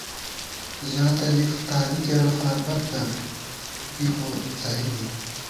ژاتہ زی تادی کېرہ فاربَک تر، نوری دی خوڅلی دی